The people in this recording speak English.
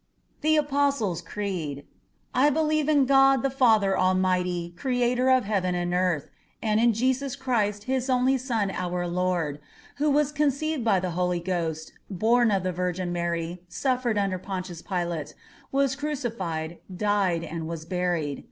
THE APOSTLES' CREED I believe in God, the Father Almighty, Creator of heaven and earth; and in Jesus Christ, His only Son, our Lord; who was conceived by the Holy Ghost, born of the Virgin Mary, suffered under Pontius Pilate, was crucified; died, and was buried.